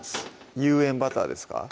有塩バターですか？